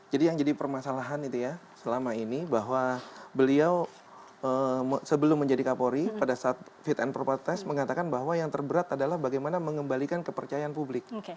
jadi yang jadi permasalahan itu ya selama ini bahwa beliau sebelum menjadi kapolri pada saat fit and proper test mengatakan bahwa yang terberat adalah bagaimana mengembalikan kepercayaan publik